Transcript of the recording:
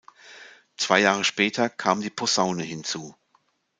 Zwei Jahre später kam die Posaune hinzu.